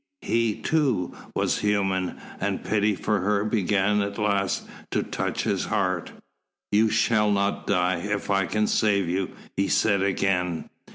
He, too, was human, and pity for her began at last to touch his heart. "You shall not die, if I can save you," he said again.